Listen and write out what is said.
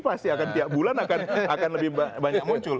pasti akan tiap bulan akan lebih banyak muncul